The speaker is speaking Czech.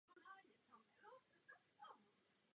Byl členem stranického vedení.